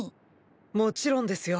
もちろんですよ。